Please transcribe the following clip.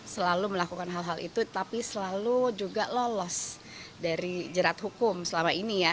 selalu melakukan hal hal itu tapi selalu juga lolos dari jerat hukum selama ini ya